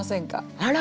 あら！